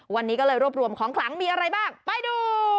วันนี้ก็เลยรวบรวมของขลังมีอะไรบ้างไปดู